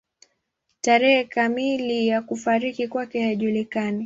Tarehe kamili ya kufariki kwake haijulikani.